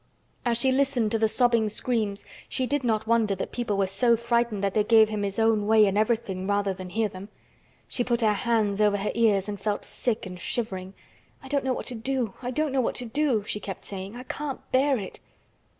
As she listened to the sobbing screams she did not wonder that people were so frightened that they gave him his own way in everything rather than hear them. She put her hands over her ears and felt sick and shivering. "I don't know what to do. I don't know what to do," she kept saying. "I can't bear it."